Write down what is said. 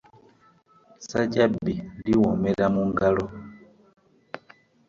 Sajjabi liwomeera mu ngabo .